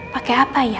pakai apa ya